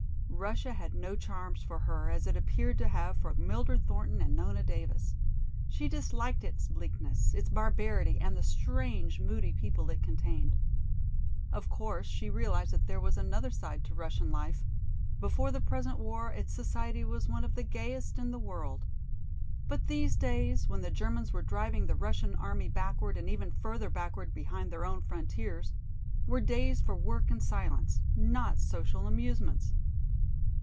Russia had no charms for her as it appeared to have for Mildred Thornton and Nona Davis. She disliked its bleakness, its barbarity and the strange, moody people it contained. Of course she realized that there was another side to Russian life, before the present war its society was one of the gayest in the world. But these days, when the Germans were driving the Russian army backward and even further backward behind their own frontiers, were days for work and silence, not social amusements.